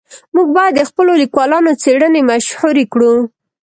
موږ باید د خپلو لیکوالانو څېړنې مشهورې کړو.